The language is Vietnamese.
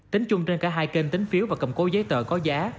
tính chung trên cả hai kênh tính phiếu và cầm cố giấy tờ có giá